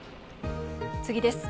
次です。